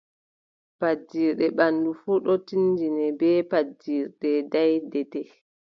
Paddirɗe ɓanndu fuu ɗon tinndine bee : Paddirɗe daydetee.